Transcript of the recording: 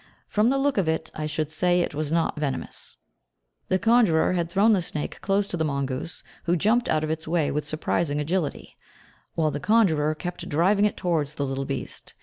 From the look of it, I should say it was not venomous. The conjurer had thrown the snake close to the mongoose, who jumped out of its way with surprising agility, while the conjurer kept driving it towards the little beast.